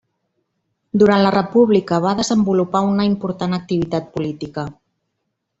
Durant la República va desenvolupar una important activitat política.